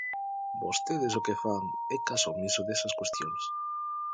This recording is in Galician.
Vostedes o que fan é caso omiso desas cuestións.